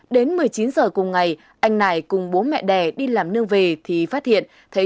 đến một mươi chín giờ cùng ngày anh nải cùng bố mẹ đẻ đi làm nương về thì phát hiện thấy